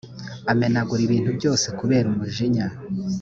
amenagura ibintu byose kubera umujinya